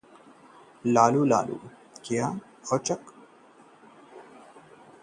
बिहार: लालू के रंग में दिखे डिप्टी सीएम तेजस्वी, किया स्कूल का औचक दौरा